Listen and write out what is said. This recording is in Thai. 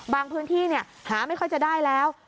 พื้นที่หาไม่ค่อยจะได้แล้ว